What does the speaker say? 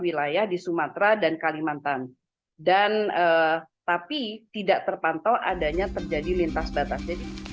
wilayah di sumatera dan kalimantan dan tapi tidak terpantau adanya terjadi lintas batas jadi